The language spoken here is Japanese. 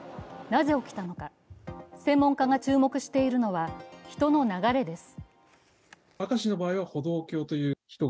なぜ起きたのか、専門家が注目しているのは人の流れです。